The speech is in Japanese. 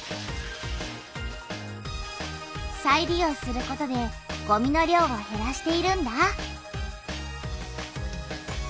再利用することでごみの量をへらしているんだ。